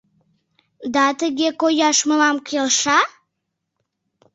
Да тыге кояш мылам келша?